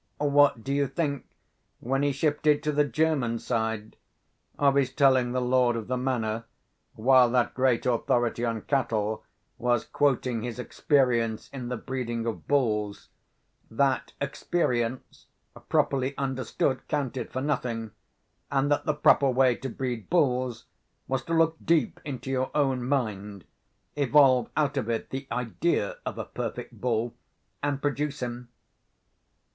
What do you think, when he shifted to the German side, of his telling the lord of the manor, while that great authority on cattle was quoting his experience in the breeding of bulls, that experience, properly understood counted for nothing, and that the proper way to breed bulls was to look deep into your own mind, evolve out of it the idea of a perfect bull, and produce him?